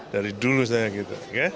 dari dulu saya gitu